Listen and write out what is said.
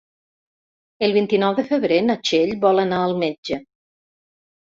El vint-i-nou de febrer na Txell vol anar al metge.